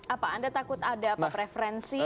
apa anda takut ada apa preferensi